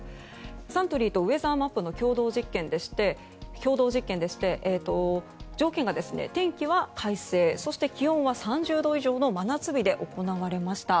サントリーとウェザーマップの共同実験でして条件が天気は快晴気温は３０度以上の真夏日で行われました。